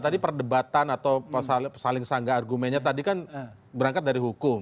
tadi perdebatan atau saling sanggah argumennya tadi kan berangkat dari hukum